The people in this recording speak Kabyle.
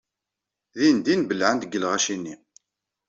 Dindin belɛent deg lɣaci-nni.